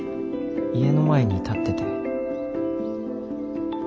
家の前に立ってて。